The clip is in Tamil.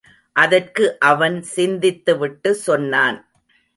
அதற்கு அவன் சிந்தித்துவிட்டு சொன்னான்.